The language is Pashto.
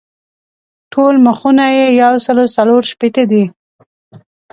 ټول مخونه یې یو سل څلور شپېته دي.